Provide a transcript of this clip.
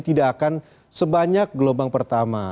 tidak akan sebanyak gelombang pertama